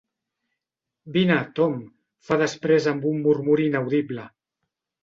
Vine, Tom —fa després amb un murmuri inaudible.